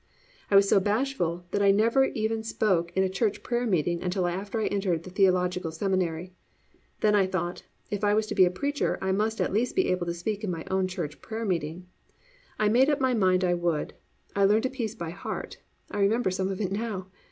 I was so bashful that I never even spoke in a church prayer meeting until after I entered the theological seminary. Then I thought, if I was to be a preacher I must at least be able to speak in my own church prayer meeting. I made up my mind I would. I learned a piece by heart. I remember some of it now.